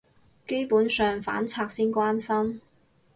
基本上反賊先關心